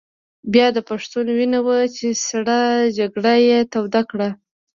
بیا د پښتون وینه وه چې سړه جګړه یې توده کړه.